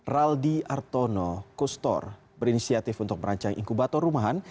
raldi artono kustor berinisiatif untuk merancang inkubator rumahan